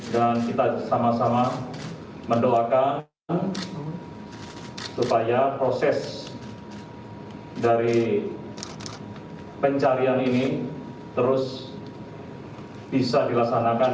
dan kita sama sama mendoakan supaya proses dari pencarian ini terus bisa dilaksanakan